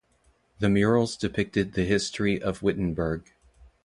The murals depicted the history of Wittenberg.